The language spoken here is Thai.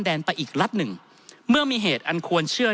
ท่านประธานครับนี่คือสิ่งที่สุดท้ายของท่านครับ